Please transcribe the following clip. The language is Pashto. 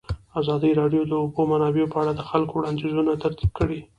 ازادي راډیو د د اوبو منابع په اړه د خلکو وړاندیزونه ترتیب کړي.